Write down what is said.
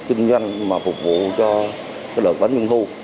kinh doanh mà phục vụ cho lượt bánh trung thu